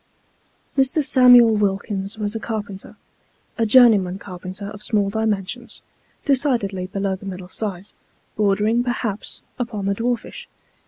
ME. SAMUEL WILKINS was a carpenter, a journeyman carpenter of small dimensions, decidedly below the middle size bordering, perhaps, upon the dwarfish.